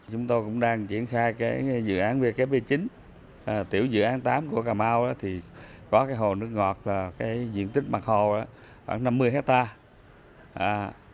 chúng tôi cũng đang triển khai cái dự án vkp chín tiểu dự án tám của cà mau đó thì có cái hồ nước ngọt là cái diện tích mặt hồ khoảng năm mươi hectare